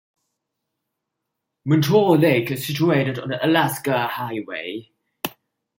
Muncho Lake is situated on the Alaska Highway.